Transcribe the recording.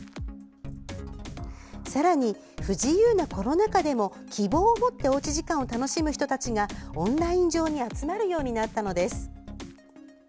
さらに、不自由なコロナ禍でも希望を持っておうち時間を楽しむ人たちがオンライン上に集まるようになったのです。